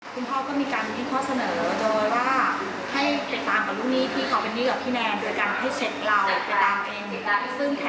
คุณพ่อก็ยิ่งข้อเสนอโดยว่าให้เป้ตามติดตามอันนี้ที่เขาเป็นเรื่องด้วยกับพี่แนน